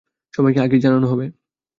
সবাইকে আগেই জানানো হবে।